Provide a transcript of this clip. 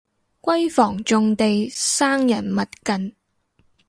閨房重地生人勿近